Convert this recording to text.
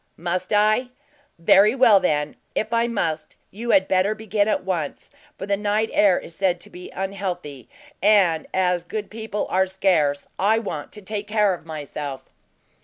"Must I? Very well, then; if I must, you had better begin at once, for the night air is said to be unhealthy, and as good people are scarce, I want to take care of myself."